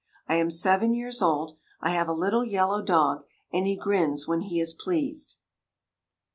I am seven years old. I have a little yellow dog, and he grins when he is pleased.